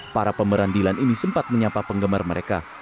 para pemeran dilan ini sempat menyapa penggemar mereka